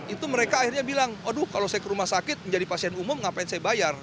itu mereka akhirnya bilang aduh kalau saya ke rumah sakit menjadi pasien umum ngapain saya bayar